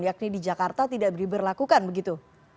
yakni di jakarta tidak diberlakukan begitu